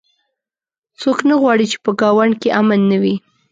څوک نه غواړي چې په ګاونډ کې امن نه وي